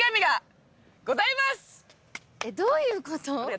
えっどういうこと？